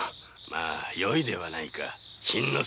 まぁよいではないか。